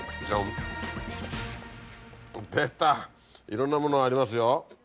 いろんなものありますよ。